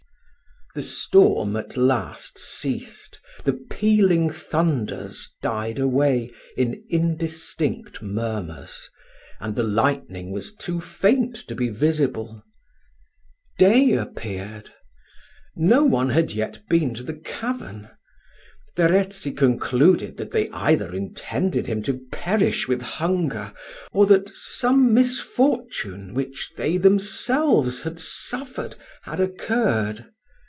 The storm at last ceased, the pealing thunders died away in indistinct murmurs, and the lightning was too faint to be visible. Day appeared no one had yet been to the cavern Verezzi concluded that they either intended him to perish with hunger, or that some misfortune, by which they themselves had suffered, had occurred.